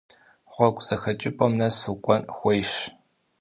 Гъуэгу зэхэкӏыпӏэм нэс укӏуэн хуейщ.